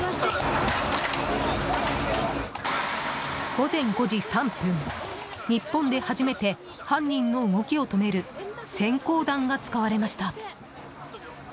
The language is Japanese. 午前５時３分、日本で初めて犯人の動きを止める閃光弾が使われました。